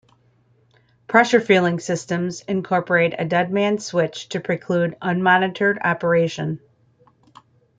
Pressure fueling systems incorporate a dead man's switch to preclude unmonitored operation.